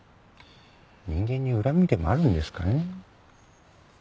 人間に恨みでもあるんですかね？